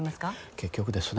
結局ですね